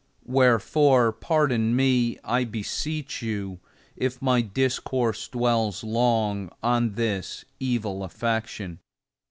Wherefore pardon me, I beseech you, if my discourse dwells long on this evil affection.